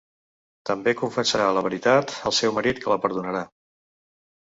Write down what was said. També confessarà la veritat al seu marit que la perdonarà.